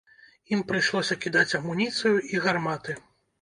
Ім прыйшлося кідаць амуніцыю і гарматы.